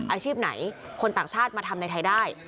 อาชีพไหนคนต่างชาติมาทำในไทยได้